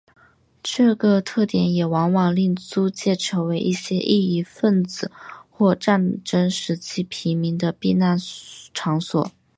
这个特点也往往令租界成为一些异议份子或战争时期平民的避难场所。